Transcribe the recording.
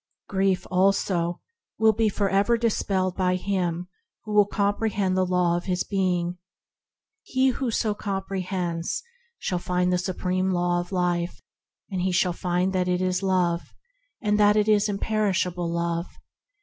Grief, also, will be for ever dispelled by him who will com prehend the Law of his being. He who so comprehends shall find the Supreme Law of Life, and he shall find that it is Love, that it is imperishable Love.